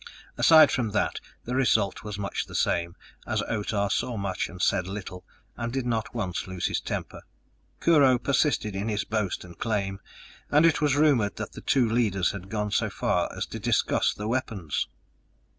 Aside from that, the result was much the same, as Otah saw much and said little and did not once lose his temper. Kurho persisted in his boast and claim, and it was rumored that the two leaders had gone so far as to discuss the weapons!